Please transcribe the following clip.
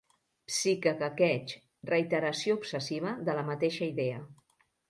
Psiquequequeig: reiteració obsessiva de la mateixa idea.